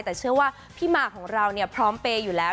แต่เชื่อว่าพี่มาร์คของเราพร้อมไปอยู่แล้ว